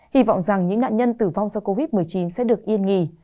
hy vọng rằng những nạn nhân tử vong do covid một mươi chín sẽ được yên nghỉ